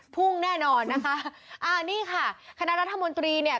แน่นอนนะคะอ่านี่ค่ะคณะรัฐมนตรีเนี่ย